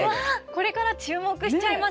これから注目しちゃいます。